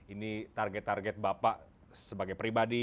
ini target target bapak sebagai pribadi